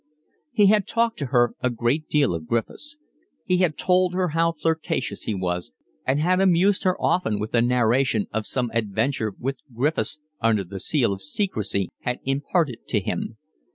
He had talked to her a great deal of Griffiths. He had told her how flirtatious he was and had amused her often with the narration of some adventure which Griffiths under the seal of secrecy had imparted to him.